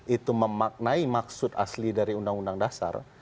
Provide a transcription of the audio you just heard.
itu memaknai maksud asli dari undang undang dasar